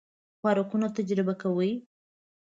خوراکونه تجربه کوئ؟